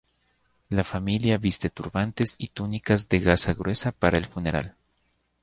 La familia viste turbantes y túnicas de gasa gruesa para el funeral.